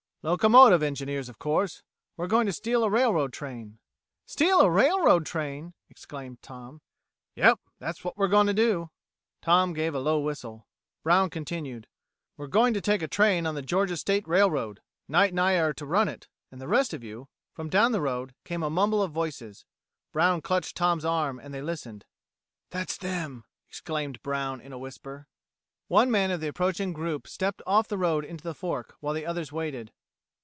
Locomotive engineers, of course. We're going to steal a railroad train." "Steal a railroad train!" exclaimed Tom. "Yep! That's what we're going to do." Tom gave a low whistle. Brown continued: "We're going to take a train on the Georgia State Railroad. Knight and I are to run it, and the rest of you...." From down the road came a mumble of voices. Brown clutched Tom's arm and they listened. "That's them!" exclaimed Brown in a whisper. One man of the approaching group stepped off the road into the fork, while the others waited.